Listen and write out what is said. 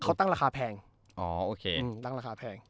เขาตั้งราคาแพง